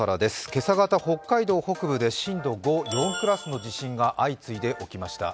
今朝方、北海道北部で震度５、４クラスの地震が相次いで起きました。